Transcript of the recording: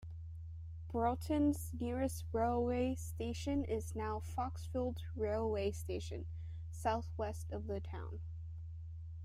Broughton's nearest railway station is now Foxfield railway station, south west of the town.